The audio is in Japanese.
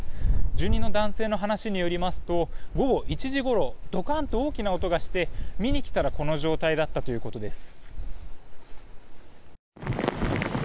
住人の男性の話によりますと午後１時ごろドカンと大きな音がして見に来たらこの状態だったということです。